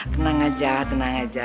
tenang aja tenang aja